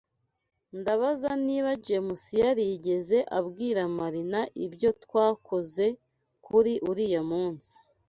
Ndabaza niba James yarigeze abwira Marina ibyo twakoze kuri uriya munsi.